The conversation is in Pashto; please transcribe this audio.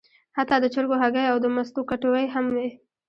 حتی د چرګو هګۍ او د مستو کټوۍ هم وې.